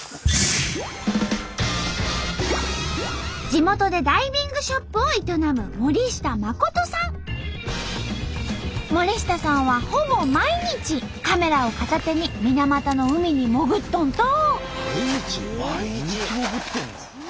地元でダイビングショップを営む森下さんはほぼ毎日カメラを片手に水俣の海に潜っとんと！